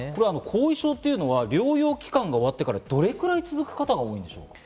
後遺症というのは療養期間が終わってからどれくらい続く方が多いんですか？